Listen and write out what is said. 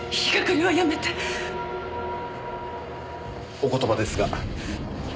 お言葉ですが。